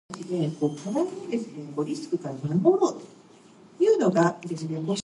Public transport facilities include Gaythorne Railway Station on the Ferny Grove - City line.